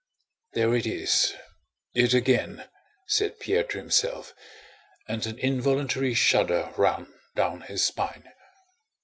"There it is!... It again!..." said Pierre to himself, and an involuntary shudder ran down his spine.